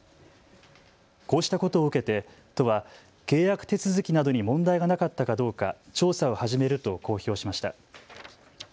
こうしたことを受けて都は契約手続きなどに問題がなかったかどうか調査を始めると公表しました。